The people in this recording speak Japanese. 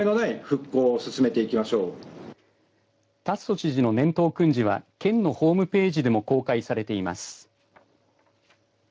達増知事の年頭訓示は県のホームページでも公開されています。